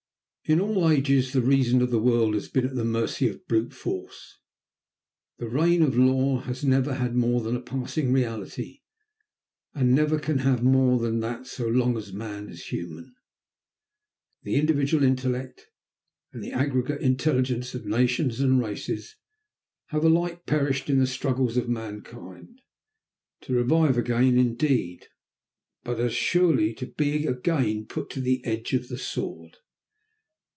In all ages the reason of the world has been at the mercy of brute force. The reign of law has never had more than a passing reality, and never can have more than that so long as man is human. The individual intellect and the aggregate intelligence of nations and races have alike perished in the struggles of mankind, to revive again, indeed, but as surely to be again put to the edge of the sword.